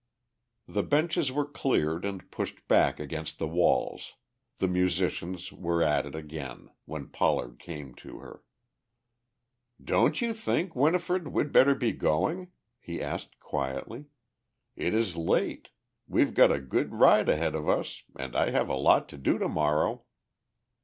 The benches were cleared and pushed back against the walls, the musicians were at it again, when Pollard came to her. "Don't you think, Winifred, we'd better be going?" he asked quietly. "It is late, we've got a good ride ahead of us and I have a lot to do tomorrow."